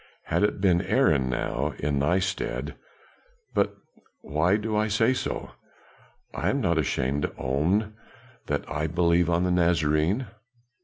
Had it been Aaron now, in thy stead but why do I say so? I am not ashamed to own that I believe on the Nazarene."